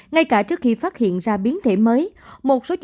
ngay cả trước khi phát hiện ra biến thể mới